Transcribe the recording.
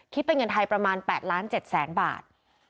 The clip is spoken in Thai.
คิดเป็นเงินไทยประมาณ๘๗๐๐๐๐๐บาท